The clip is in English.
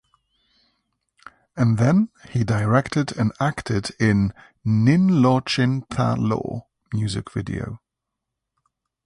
And then he directed and acted in "Nin Lo Chin Tha Lo" music video.